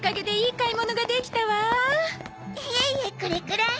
いえいえこれくらい。